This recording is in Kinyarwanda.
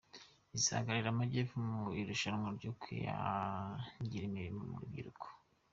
izahagararira Amajyepfo mu irushanwa ryo Kwihangira Imirimo mu rubyiruko